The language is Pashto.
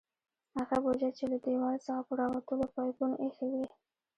هغه بوجۍ یې له دیوال څخه پر راوتلو پایپونو ایښې وې.